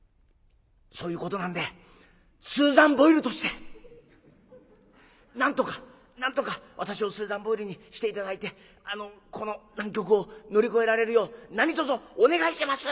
そういうことなんでスーザン・ボイルとしてなんとかなんとか私をスーザン・ボイルにして頂いてあのこの難局を乗り越えられるよう何とぞお願いします。